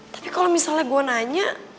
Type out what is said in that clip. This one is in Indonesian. tapi kalau misalnya gue nanya